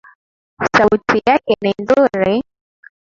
Sauti yake ni nzuri.